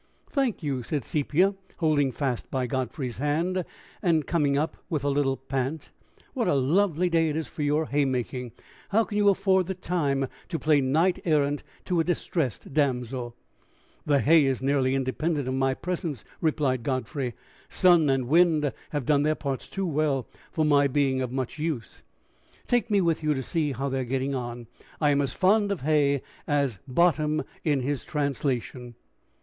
"Thank you," said Sepia, holding fast by Godfrey's hand, and coming up with a little pant. "What a lovely day it is for your haymaking! How can you afford the time to play knight errant to a distressed damsel?" "The hay is nearly independent of my presence," replied Godfrey. "Sun and wind have done their parts too well for my being of much use." "Take me with you to see how they are getting on. I am as fond of hay as Bottom in his translation."